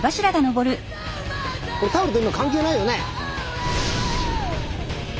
これタオルと今関係ないよね？